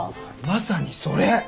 まさにそれ。